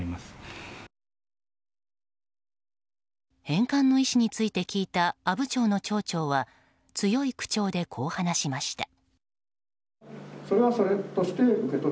返還の意思について聞いた阿武町の町長は強い口調でこう話しました。